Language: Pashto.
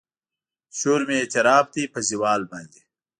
شور مې اعتراف دی په زوال باندې